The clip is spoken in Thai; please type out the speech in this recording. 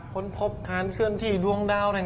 คนพบครานเชื่อ๑๗๐๐ตัวเองมากเลย